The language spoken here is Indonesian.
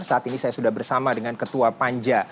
saat ini saya sudah bersama dengan ketua panja